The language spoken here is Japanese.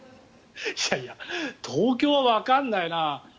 いやいや東京はわかんないな。